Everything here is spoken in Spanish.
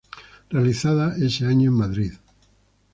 Realizada ese año en Madrid.